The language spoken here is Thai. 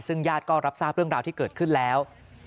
ซึ่งญาติก็รับทราบเรื่องราวที่เกิดขึ้นแล้ว